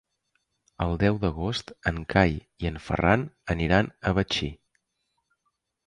El deu d'agost en Cai i en Ferran aniran a Betxí.